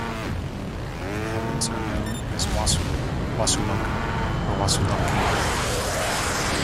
Inhabitants are known as Wassulu, Wassulunka or Wassulunke.